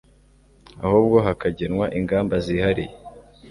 ahubwo hakagenwa ingamba zihariye